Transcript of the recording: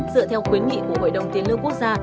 dựa theo khuyến nghị của hội đồng tiền lương quốc gia